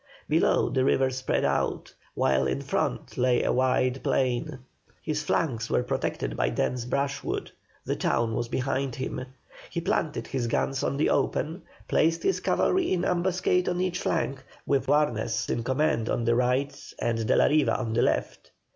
Below, the river spread out, while in front lay a wide plain. His flanks were protected by dense brushwood; the town was behind him. He planted his guns on the open, placed his cavalry in ambuscade on each flank, with Warnes in command on the right and De la Riva on the left.